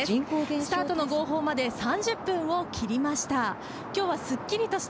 スタートの号砲まで３０分を切りました。